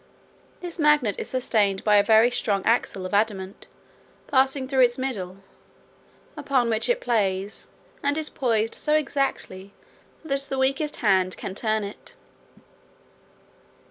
This magnet is sustained by a very strong axle of adamant passing through its middle, upon which it plays, and is poised so exactly that the weakest hand can turn it.